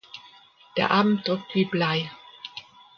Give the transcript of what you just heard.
Der Abend drückt wie Blei.